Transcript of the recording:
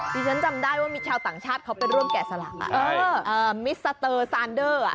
ที่ฉันจำได้ว่ามีชาวต่างชาติเขาไปร่วมแกะสลักมิสเตอร์ซานเดอร์